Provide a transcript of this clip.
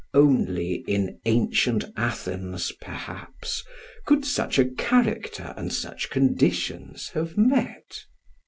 Only in Ancient Athens, perhaps, could such a character and such conditions have met.